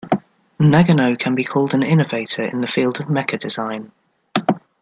Nagano can be called an innovator in the field of mecha design.